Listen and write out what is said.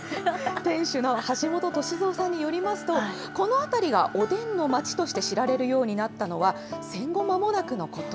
店主の橋本俊三さんによりますと、この辺りがおでんの街として知られるようになったのは、戦後間もなくのこと。